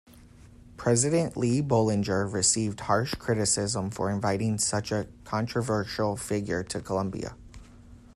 President Lee Bollinger received harsh criticism for inviting such a controversial figure to Columbia.